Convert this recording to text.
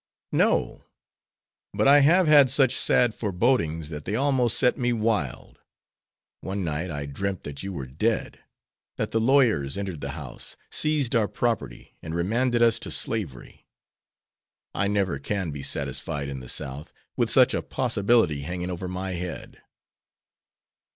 '" "No, but I have had such sad forebodings that they almost set me wild. One night I dreamt that you were dead; that the lawyers entered the house, seized our property, and remanded us to slavery. I never can be satisfied in the South with such a possibility hanging over my head."